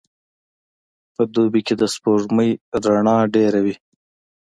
په دوبي کي د سپوږمۍ رڼا ډېره وي.